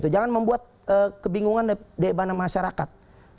jangan membuat kebingungan di mana masyarakat